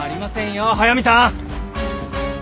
速見さん！